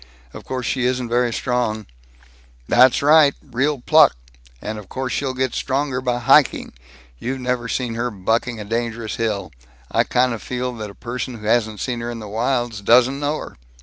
Of course she isn't very strong." "That's right. Real pluck. And of course she'll get stronger by hiking. You've never seen her bucking a dangerous hill I kind of feel that a person who hasn't seen her in the wilds doesn't know her."